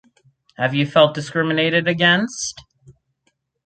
Have you felt discriminated against?